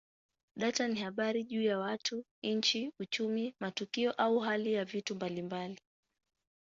Data ni habari juu ya watu, nchi, uchumi, matukio au hali ya vitu mbalimbali.